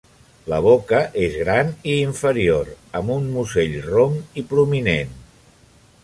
La boca és gran i inferior; amb un musell rom i prominent.